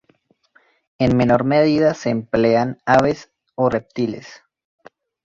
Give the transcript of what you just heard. En menor medida se emplean aves o reptiles.